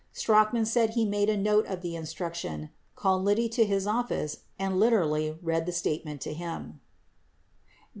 17 Strachan said he made a note of the instruction, called Liddy to his office and literally read the statement to him.